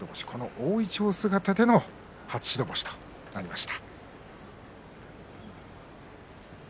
大いちょう姿での白星となりました。